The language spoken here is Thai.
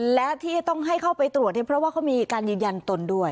และที่ต้องให้เข้าไปตรวจเนี่ยเพราะว่าเขามีการยืนยันตนด้วย